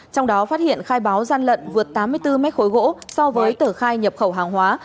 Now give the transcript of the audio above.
trong đó phát hiện khai báo gian lận vượt tám mươi bốn mét khối gỗ so với tờ khai nhập khẩu hàng hóa